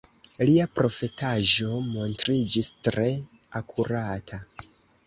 Lia profetaĵo montriĝis tre akurata.